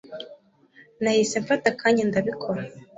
nahise mfata akanya ndabikora